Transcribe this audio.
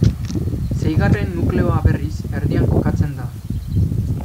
Seigarren nukleoa berriz, erdian kokatzen da.